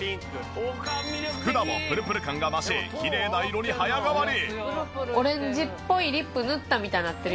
福田もプルプル感が増しきれいな色に早変わり。